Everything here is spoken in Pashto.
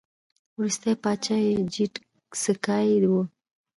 وروستی پاچا یې جیډ سکای و